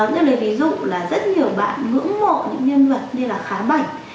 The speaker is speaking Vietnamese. như lấy ví dụ là rất nhiều bạn ưỡng mộ những nhân vật như là khá bảnh